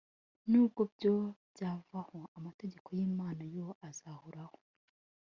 nubwo byo byavaho, amategeko y’imana yo azahoraho